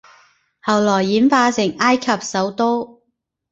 後來演化成埃及首都